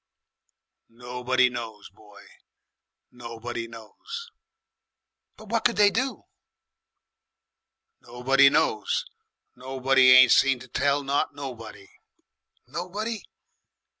"Nobody knows, boy, nobody knows." "But what could they do?" "Nobody knows. Nobody ain't seen to tell not nobody." "Nobody?"